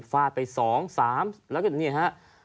ฟาดไป๒๓แล้วก็นี่ฮะ